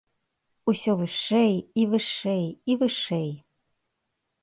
Усё вышэй, і вышэй, і вышэй!!